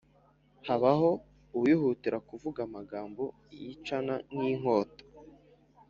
habaho uwihutira kuvuga amagambo yicana nk’inkota,